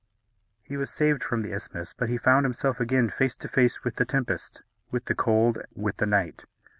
He was saved from the isthmus; but he found himself again face to face with the tempest, with the cold, with the night.